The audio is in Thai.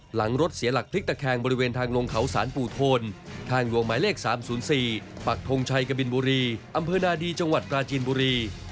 หลังรถเสียหลักพลิกตะแคงบริเวณทางลงเขาสารปู่โทนทางหลวงหมายเลข๓๐๔ปักทงชัยกบินบุรีอำเภอนาดีจังหวัดปราจีนบุรี